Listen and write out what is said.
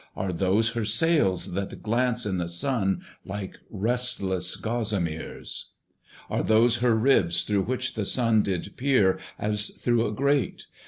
Are those her sails that glance in the Sun, Like restless gossameres! Are those her ribs through which the Sun Did peer, as through a grate?